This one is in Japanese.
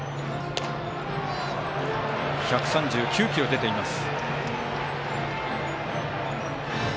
１３９キロ、出ています。